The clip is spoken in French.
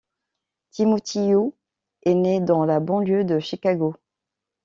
Timothy Yu est né dans la banlieue de Chicago.